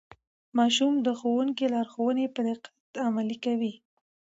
ماشوم د ښوونکي لارښوونې په دقت عملي کړې